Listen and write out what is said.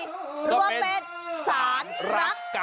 รวมเป็นสารรัก